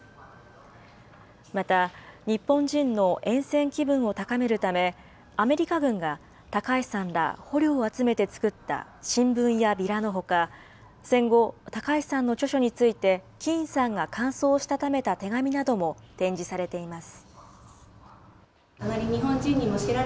また、日本人のえん戦気分を高めるため、アメリカ軍が高橋さんら捕虜を集めて作った新聞やビラのほか、戦後、高橋さんの著書についてキーンさんが感想をしたためた手紙なども展示されています。